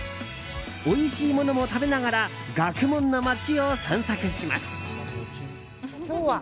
おいしいものも食べながら学問の街を散策します。